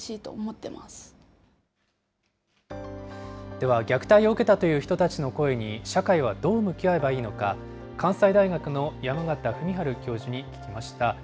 では、虐待を受けたという人たちの声に、社会はどう向き合えばいいのか、関西大学の山縣文治教授に、聞きました。